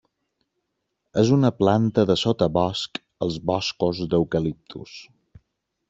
És una planta de sotabosc als boscos d'eucaliptus.